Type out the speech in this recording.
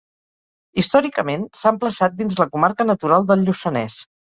Històricament s'ha emplaçat dins la comarca natural del Lluçanès.